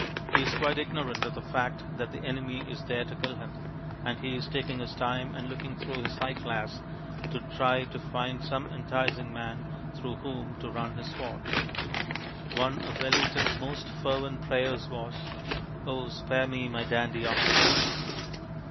He is quite ignorant of the fact that the enemy is there to kill him, and he is taking his time and looking through his eyeglass to try to find some enticing man through whom to run his sword. One of WellingtonŌĆÖs most fervent prayers was, ŌĆ£Oh, spare me my dandy officers!